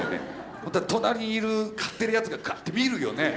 そしたら隣にいる買ってるやつがガッて見るよね。